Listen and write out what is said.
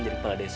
jadi kepala desa